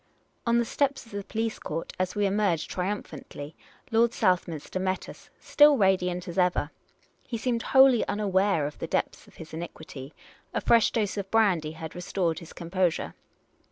On the steps of the police court, as we emerged triumph antly. Lord Southminster met us — still radiant as ever. He seemed wholly unaware of the depths of his iniquity; a fresh dose of brandy had restored his composure.